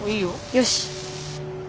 よし。